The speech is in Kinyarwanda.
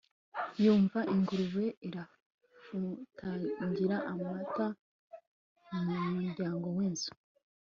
yumva ingurube irafutagira amata mu muryango w'inzu